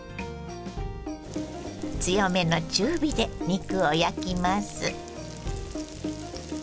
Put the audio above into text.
強めの中火で肉を焼きます。